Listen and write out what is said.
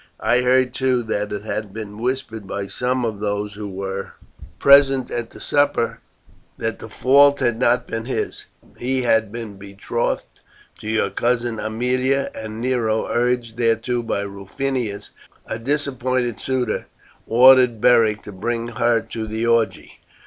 I heard too that it had been whispered by some of those who were present at the supper, that the fault had not been his. He had been betrothed to your cousin Aemilia, and Nero, urged thereto by Rufinus, a disappointed suitor, ordered Beric to bring her to the orgy.